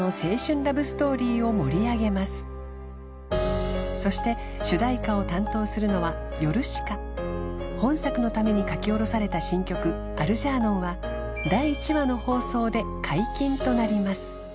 ラブストーリーを盛り上げますそして主題歌を担当するのはヨルシカ本作のために書き下ろされた新曲「アルジャーノン」は第１話の放送で解禁となります